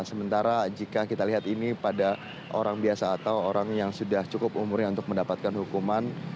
sementara jika kita lihat ini pada orang biasa atau orang yang sudah cukup umurnya untuk mendapatkan hukuman